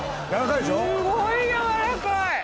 すごい軟らかい！